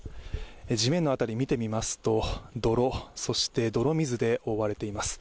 地面の辺り見てみますと泥、そして泥水で覆われています。